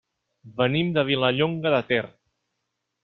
Venim de Vilallonga de Ter.